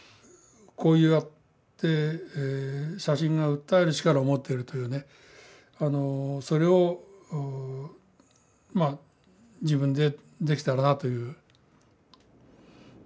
こうやって写真が訴える力を持っているというねそれをまあ自分でできたらなという。